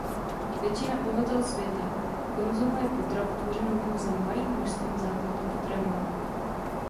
Většina obyvatel světa konzumuje potravu tvořenou pouze malým množstvím základních potravin.